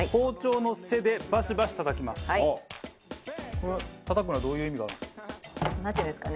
これたたくのはどういう意味がある？なんていうんですかね